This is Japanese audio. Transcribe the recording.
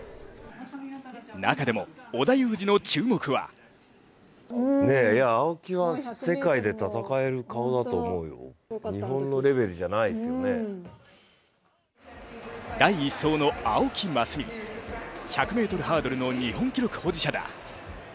中でも織田裕二の注目は第１走の青木益未、１００ｍハードルの日本記録保持者だ。